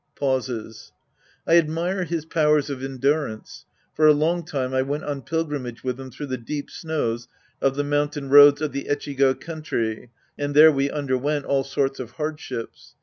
{Pauses.) I admire his powers of endurance. For a long time I went on pilgrimage with him through the deep snows of the mountain roads of the Echigo country, and there we underwent all sorts of hardships.